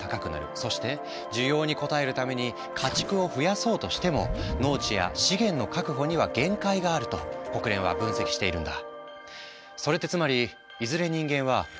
そして需要に応えるために家畜を増やそうとしても農地や資源の確保には限界があると国連は分析しているんだ。